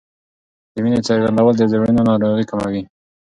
د مینې څرګندول د زړونو ناروغۍ کموي.